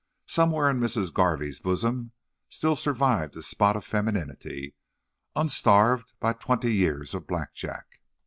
Somewhere in Mrs. Garvey's bosom still survived a spot of femininity unstarved by twenty years of Blackjack.